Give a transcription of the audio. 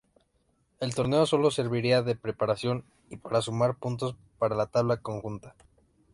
El torneo sólo servirá de preparación y para sumar puntos para la tabla conjunta.